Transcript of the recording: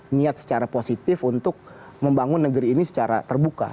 niat secara positif untuk membangun negeri ini secara terbuka